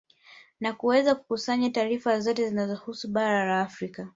Na kuweza kukusanaya taarifa zote zinazohusu bara la Afrika